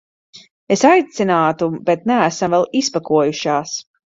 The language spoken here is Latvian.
Es aicinātu, bet neesam vēl izpakojušās.